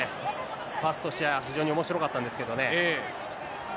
パスとしては非常におもしろかったんですけどね。